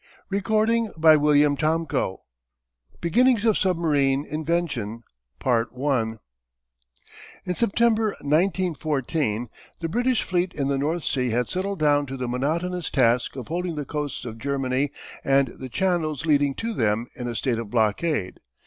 THE SUBMARINE BOAT CHAPTER XI BEGINNINGS OF SUBMARINE INVENTION In September, 1914 the British Fleet in the North Sea had settled down to the monotonous task of holding the coasts of Germany and the channels leading to them in a state of blockade.